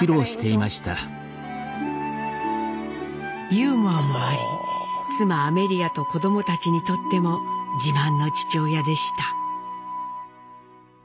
ユーモアもあり妻アメリアと子どもたちにとっても自慢の父親でした。